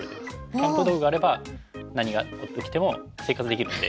キャンプ道具があれば何が起きても生活できるんで。